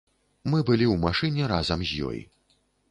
Мы былі ў машыне разам з ёй.